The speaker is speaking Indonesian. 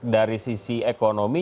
dari sisi ekonomi